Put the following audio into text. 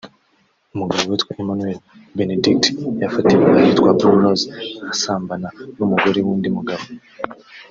umugabo witwa Emmanuel Benedict yafatiwe ahitwa Blue Roze asambana n’umugore w’undi mugabo